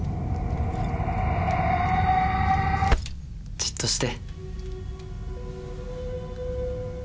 じっとして。